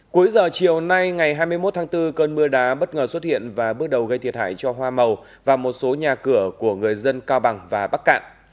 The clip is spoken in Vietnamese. cuối giờ chiều nay ngày hai mươi một tháng bốn cơn mưa đá bất ngờ xuất hiện và bước đầu gây thiệt hại cho hoa màu và một số nhà cửa của người dân cao bằng và bắc cạn